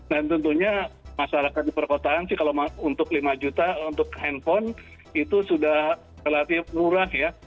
tentunya masyarakat di perkotaan sih kalau untuk lima juta untuk handphone itu sudah relatif murah ya